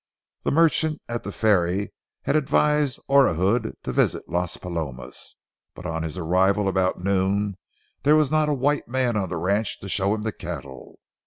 The merchant at the ferry had advised Orahood to visit Las Palomas, but on his arrival about noon there was not a white man on the ranch to show him the cattle.